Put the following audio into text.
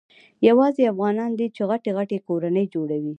یوازي افغانان دي چي غټي غټي کورنۍ جوړوي.